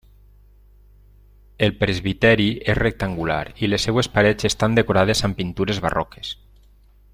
El presbiteri és rectangular i les seues parets estan decorades amb pintures barroques.